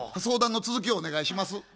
相談の続きをお願いします。